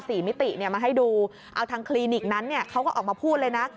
สี่มิติมาให้ดูเอาทางคลินิกนั้นเขาก็ออกมาพูดเลยนะ